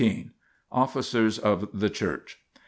Officers of the Church.